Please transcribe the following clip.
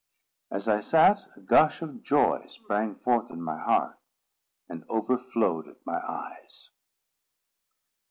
As I sat, a gush of joy sprang forth in my heart, and over flowed at my eyes.